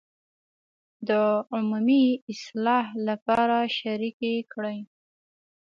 د عمومي اصلاح لپاره شریکې کړي.